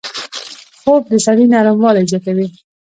خوب د سړي نرموالی زیاتوي